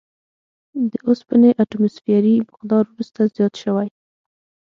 د اوسپنې اتوموسفیري مقدار وروسته زیات شوی.